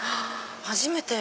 初めて。